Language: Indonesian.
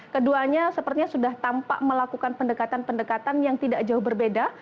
keduanya sepertinya sudah tampak melakukan pendekatan pendekatan yang tidak jauh berbeda